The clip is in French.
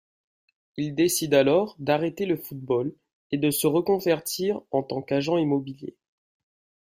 Il décide alors d'arrêter le football, et de se reconvertir en tant qu'agent immobilier.